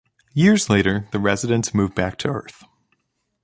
Years later, the residents move back to Earth.